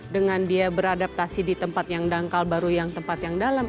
dengan dia beradaptasi di tempat yang dangkal baru yang tempat yang dalam